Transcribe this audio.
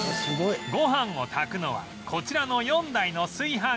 ご飯を炊くのはこちらの４台の炊飯器